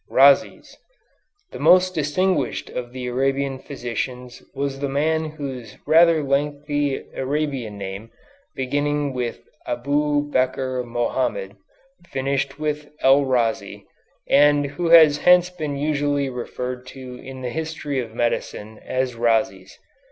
RHAZES The most distinguished of the Arabian physicians was the man whose rather lengthy Arabian name, beginning with Abu Bekr Mohammed, finished with el Razi, and who has hence been usually referred to in the history of medicine as Rhazes.